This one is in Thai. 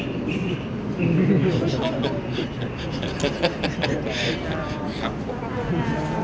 โปรดติดตามตอนต่อไป